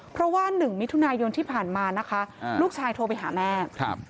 เพราะว่าหนึ่งมิถุนายนที่ผ่านมานะคะลูกชายโทรไปหาแม่ครับ